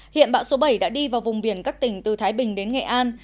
hiện bão số bảy đã đi vào vùng biển các tỉnh từ thái bình đến nghệ an